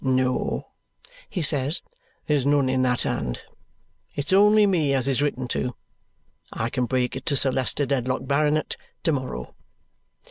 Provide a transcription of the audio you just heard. "No," he says, "there's none in that hand. It's only me as is written to. I can break it to Sir Leicester Dedlock, Baronet, to morrow."